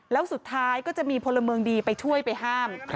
แล้วสุดท้ายก็จะมีพลเมืองดีไปช่วยไปห้าม